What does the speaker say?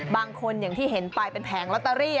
บางคนอย่างที่เห็นไปเป็นแผงลอตเตอรี่